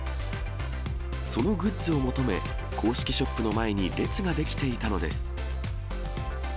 そのグッズを求め、公式ショップの前に列が出来ていたのです。